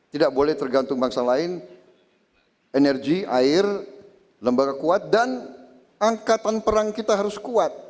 tidak boleh tergantung bangsa lain energi air lembaga kuat dan angkatan perang kita harus kuat